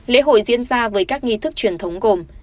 lễ hội diễn ra với các nghi thức truyền thống gồm